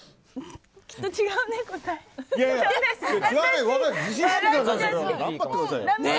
きっと違うね、答え。